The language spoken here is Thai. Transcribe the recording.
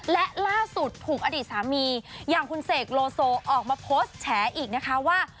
และล่าสุดถูกอดีตสามีอย่างคุณเสกโลโซออกมาโพสต์แฉอีกนะคะว่า